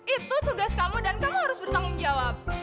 itu tugas kamu dan kamu harus bertanggung jawab